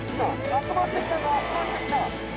集まってきたぞ集まってきた！